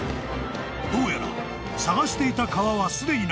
［どうやら捜していた］